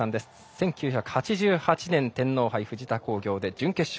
１９８８年、天皇杯フジタ工業で準決勝